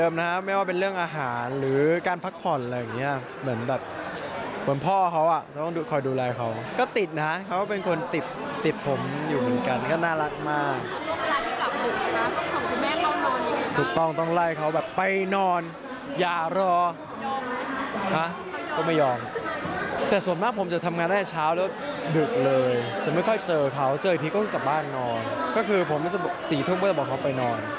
บางครั้งใช่